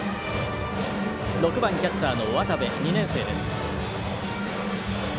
６番キャッチャーの渡部２年生です。